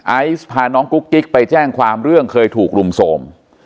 ไอซ์พาน้องกุ๊กกิ๊กไปแจ้งความเรื่องเคยถูกรุมโทรม